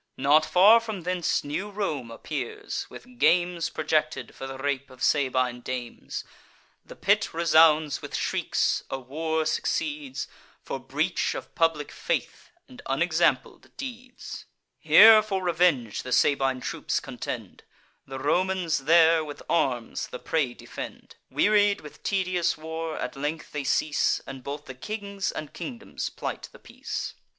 Not far from thence new Rome appears, with games Projected for the rape of Sabine dames. The pit resounds with shrieks; a war succeeds, For breach of public faith, and unexampled deeds. Here for revenge the Sabine troops contend; The Romans there with arms the prey defend. Wearied with tedious war, at length they cease; And both the kings and kingdoms plight the peace.